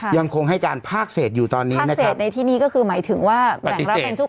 ยังคงให้การภาคเศษอยู่ตอนนี้นะครับเศษในที่นี่ก็คือหมายถึงว่าแบ่งรับเป็นทุก